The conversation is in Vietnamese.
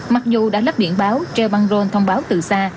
mặc dù đã lắp biển báo treo băng rôn thông báo từ xa